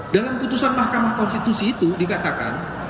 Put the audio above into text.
dalam putusan mahkamah konstitusi itu dikatakan